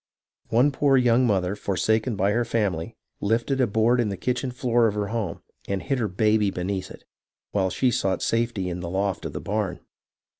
One poor young mother forsaken by her family lifted a board in the kitchen floor of her home and hid her baby beneath it, while she sought safety in the loft of the barn.